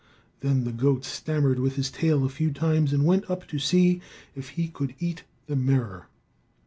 Then the goat stammered with his tail a few times and went up to see if he could eat the mirror.